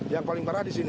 yang paling parah di sini